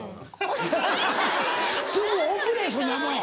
ハハハハすぐ送れそんなもん。